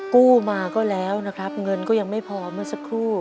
กู้มาก็แล้วนะครับเงินก็ยังไม่พอเมื่อสักครู่